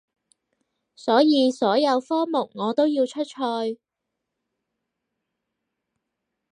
所以所有科目我都要出賽